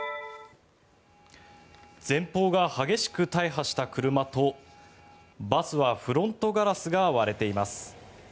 前方が激しく大破した車とバスはフロントガラスが割れています。